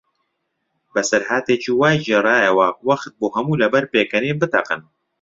بەسەرهاتێکی وای گێڕایەوە، وەختبوو هەموو لەبەر پێکەنین بتەقن.